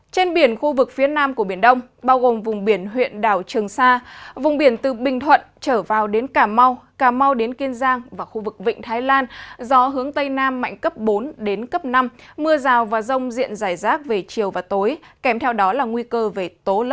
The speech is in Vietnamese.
trên biển khu vực phía nam của biển đông bao gồm vùng biển huyện đào trường sa vùng biển huyện đào trường sa mưa rào và rông diện dài rác về chiều và tối